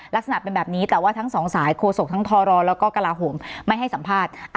ลักษณะเป็นแบบนี้แต่ว่าทั้งสองสายโคศกทั้งทรแล้วก็กระลาโหมไม่ให้สัมภาษณ์